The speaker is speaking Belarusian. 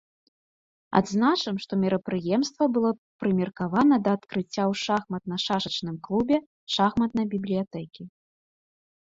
Адзначым, што мерапрыемства было прымеркавана да адкрыцця ў шахматна-шашачным клубе шахматнай бібліятэкі.